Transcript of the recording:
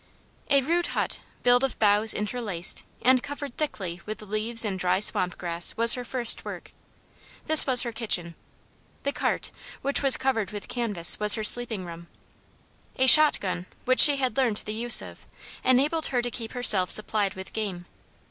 A rude hut, built of boughs interlaced, and covered thickly with leaves and dry swamp grass, was her first work. This was her kitchen. The cart, which was covered with canvas, was her sleeping room. A shotgun, which she had learned the use of, enabled her to keep herself supplied with game.